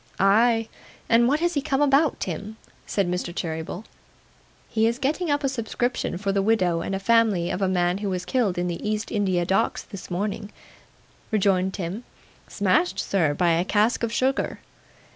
'Ay! And what has he come about, Tim?' said Mr. Cheeryble. 'He is getting up a subscription for the widow and family of a man who was killed in the East India Docks this morning, sir,' rejoined Tim. 'Smashed, sir, by a cask of sugar.